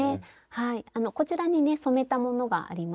はいこちらにね染めたものがあります。